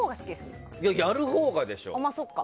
やるほうがでしょ。